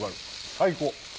最高。